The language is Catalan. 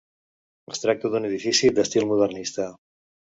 Es tracta d'un edifici d'estil modernista.